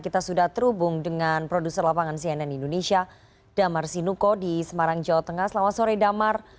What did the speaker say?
kita sudah terhubung dengan produser lapangan cnn indonesia damar sinuko di semarang jawa tengah selamat sore damar